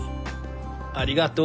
ありがとう！